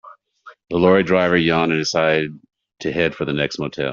The lorry driver yawned and decided to head for the next motel.